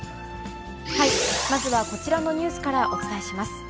まずはこちらのニュースからお伝えします。